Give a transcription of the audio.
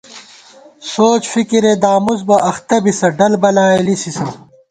سوچ فِکِرے دامُس بہ اختہ بِسہ ڈل بلائےلِسِسہ